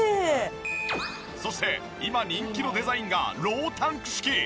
そして今人気のデザインがロータンク式。